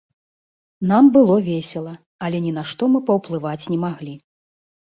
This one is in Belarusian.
Нам было весела, але ні на што мы паўплываць не маглі.